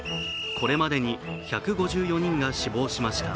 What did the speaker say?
これまでに１５４人が死亡しました。